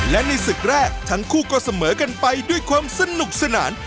และในศึกแรกทั้งคู่ก็เสมอกันไปด้วยความสนุกสนาน